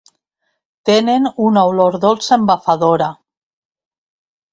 Tenen una olor dolça embafadora.